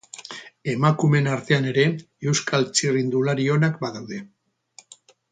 Emakumeen artean ere, Euskal txirrindulari onak badaude.